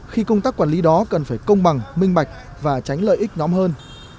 khi công tác quản lý đó cần phải công bằng minh bạch và tránh lợi ích nhóm hơn